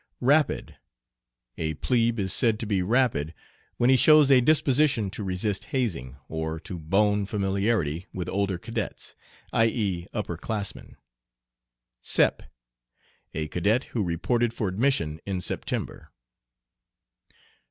"Rapid." A "plebe" is said to be "rapid" when he shows a disposition to resist hazing, or to "bone familiarity" with older cadets i.e., upper classmen. "Sep." A cadet who reported for admission in September.